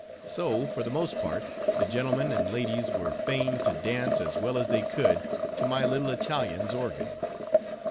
So for the most part, the gentlemen and ladies were fain to dance as well as they could to my little Italian's organ.